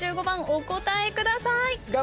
２５番お答えください。